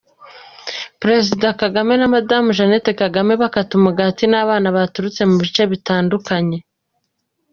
Perezida Kagame na Madamu Jeannette Kagame bakata umugati n'abana baturutse mu bice bitandukanye.